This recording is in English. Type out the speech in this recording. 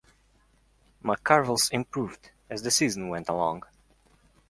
McCarville's improved as the season went along.